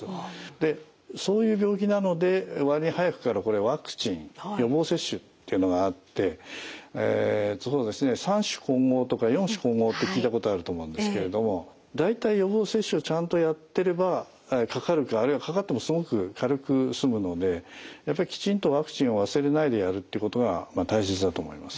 でそういう病気なので割に早くからこれワクチン予防接種っていうのがあってそうですね三種混合とか四種混合って聞いたことあると思うんですけれども大体予防接種をちゃんとやってればかかるかあるいはかかってもすごく軽く済むのでやっぱりきちんとワクチンを忘れないでやるってことが大切だと思います。